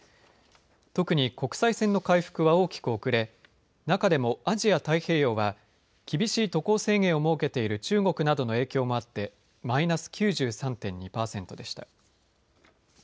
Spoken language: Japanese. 特に国際線の回復は大きく遅れ中でもアジア太平洋は厳しい渡航制限を設けている中国などの影響もあってマイナス９３．２％でした。